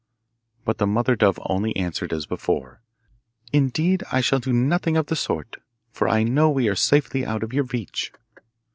But the mother dove only answered as before, 'Indeed, I shall do nothing of the sort, for I know we are safely out of your reach.